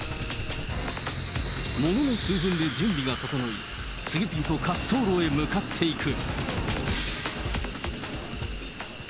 ものの数分で準備が整い、次々と滑走路へ向かっていく。